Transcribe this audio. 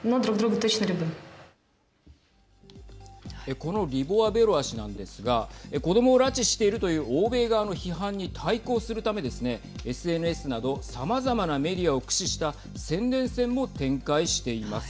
このリボワベロワ氏なんですが子どもを拉致しているという欧米側の批判に対抗するためですねＳＮＳなどさまざまなメディアを駆使した宣伝戦も展開しています。